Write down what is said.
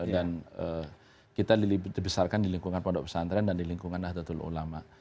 dan kita dibesarkan di lingkungan pondok pesantren dan di lingkungan ahdlatul ulama